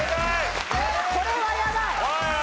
これはやばい！